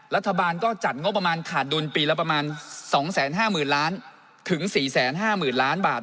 รัฐบาลก็จัดงบประมาณขาดดุลปีละประมาณ๒๕๐๐๐ล้านถึง๔๕๐๐๐ล้านบาท